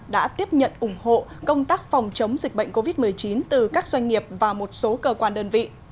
đã tiếp nhận ủng hộ công tác phòng chống dịch bệnh covid một mươi chín từ các doanh nghiệp và một số cơ quan đơn vị